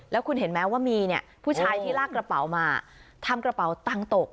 แล้วคุณเห็นไหมว่ามีเนี่ยผู้ชายที่ลากกระเป๋ามาทำกระเป๋าตังค์ตก